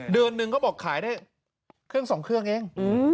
เดือนหนึ่งก็บอกขายได้เครื่องสองเครื่องเอง